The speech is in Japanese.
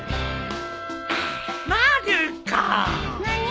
何？